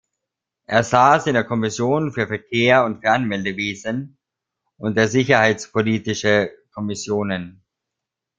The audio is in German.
Er sass in der "Kommissionen für Verkehr und Fernmeldewesen" und der "Sicherheitspolitische Kommissionen".